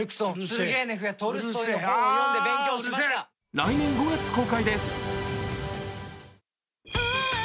来年５月公開です。